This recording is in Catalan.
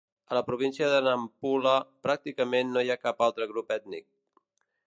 A la província de Nampula pràcticament ni hi ha cap altre grup ètnic.